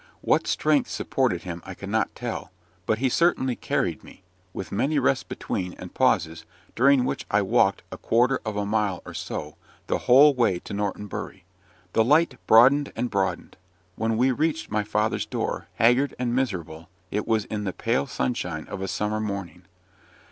What strength supported him I cannot tell, but he certainly carried me with many rests between, and pauses, during which I walked a quarter of a mile or so the whole way to Norton Bury. The light broadened and broadened. When we reached my father's door, haggard and miserable, it was in the pale sunshine of a summer morning.